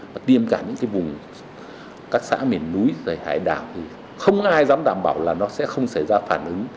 và tiêm cả những cái vùng các xã miền núi hải đảo thì không ai dám đảm bảo là nó sẽ không xảy ra phản ứng